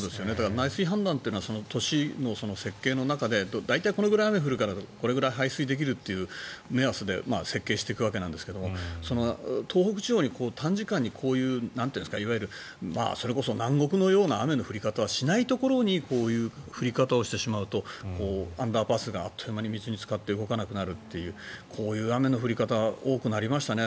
内水氾濫というのは都市の設計の中で大体これぐらい雨が降るからこれぐらい排水できるっていう目安で設計していくわけですが東北地方に短時間にこういういわゆる、それこそ南国のような雨の降り方はしないところにこういう降り方をしてしまうとアンダーパスがあっという間に水につかって動かなくなるというこういう雨の降り方多くなりましたね。